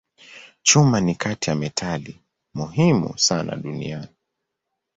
Chuma ni kati ya metali muhimu sana duniani.